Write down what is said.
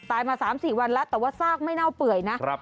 มา๓๔วันแล้วแต่ว่าซากไม่เน่าเปื่อยนะ